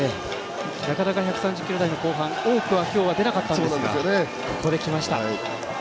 なかなか１３０キロ台の後半多くは今日は出なかったんですがここできました。